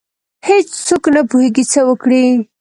هیڅ څوک نه پوهیږي څه وکړي.